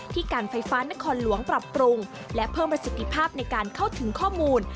การไฟฟ้านครหลวงปรับปรุงและเพิ่มประสิทธิภาพในการเข้าถึงข้อมูล